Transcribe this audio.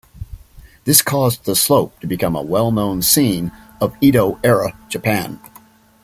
This caused the slope to become a well-known scene of Edo-era Japan.